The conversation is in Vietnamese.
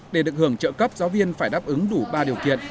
để được hưởng trợ cấp giáo viên phải đáp ứng đủ ba điều kiện